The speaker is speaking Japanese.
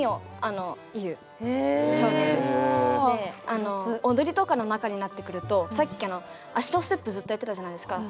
で踊りとかの中になってくるとさっきあの足のステップずっとやってたじゃないですか。